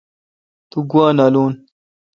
تو گوا نالون۔